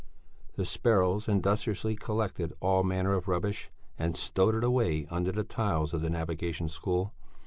The sparrows industriously collected all manner of rubbish, and stowed it away under the tiles of the Navigation School.